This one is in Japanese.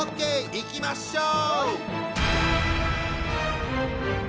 いきましょう！